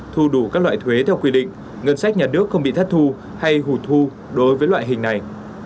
thu đủ các loại thuế theo quy định ngân sách nhà nước không bị thất thu hay hụt thu đối với loại hình này